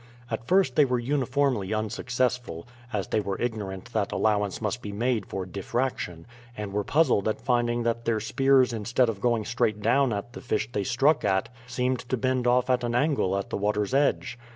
At first they were uniformly unsuccessful, as they were ignorant that allowance must be made for diffraction, and were puzzled at finding that their spears instead of going straight down at the fish they struck at seemed to bend off at an angle at the water's edge.